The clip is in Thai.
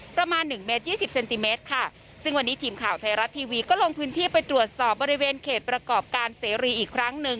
ประมาณหนึ่งเมตรยี่สิบเซนติเมตรค่ะซึ่งวันนี้ทีมข่าวไทยรัฐทีวีก็ลงพื้นที่ไปตรวจสอบบริเวณเขตประกอบการเสรีอีกครั้งหนึ่ง